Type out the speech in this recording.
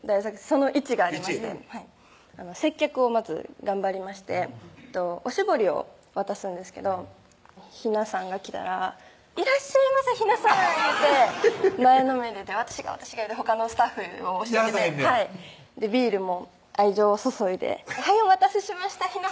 その１がありまして接客をまず頑張りましておしぼりを渡すんですけどひなさんが来たら「いらっしゃいませひなさん」言うて前のめりで「私が私が」言うてほかのスタッフをやらさへんねやはいビールも愛情を注いで「はいお待たせしましたひなさん」